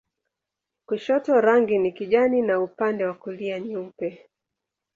Kushoto rangi ni kijani na upande wa kulia nyeupe.